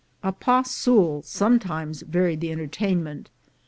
A pas seul sometimes varied the entertainment.